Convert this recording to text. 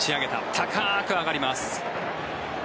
高く上がります。